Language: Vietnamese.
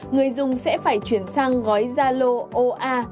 người dùng sẽ phải chuyển sang gói zalo oa